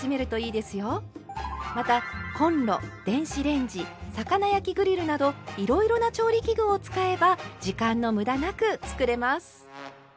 またコンロ電子レンジ魚焼きグリルなどいろいろな調理器具を使えば時間のむだなく作れます。